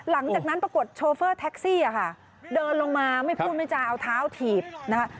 ปรากฏโชเฟอร์แท็กซี่ค่ะเดินลงมาไม่พูดไม่จาเอาเท้าถีบนะคะ